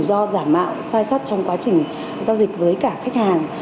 các rủi ro giảm mạo sai sắt trong quá trình giao dịch với cả khách hàng